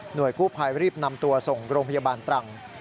โดยกู้ภัยรีบนำตัวส่งโรงพยาบาลตรัง